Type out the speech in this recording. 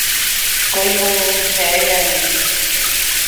کوئی امید ہے یا نہیں ؟